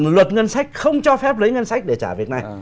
luật ngân sách không cho phép lấy ngân sách để trả việc này